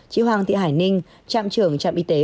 chị hoàng thị hải ninh trạm trưởng trạm y tế